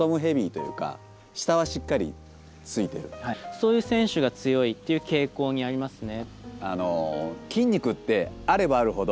そういう選手が強いっていう傾向にありますね。